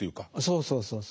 そうそうそうそう。